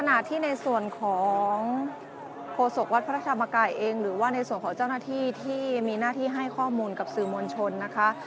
ขณะที่ในส่วนของโฆษกวัดพระธรรมกายเองหรือว่าในส่วนของเจ้าหน้าที่ที่มีหน้าที่ให้ข้อมูลกับสื่อมวลชนนะคะ